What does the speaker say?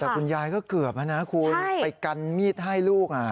แต่คุณยายก็เกือบนะคุณไปกันมีดให้ลูก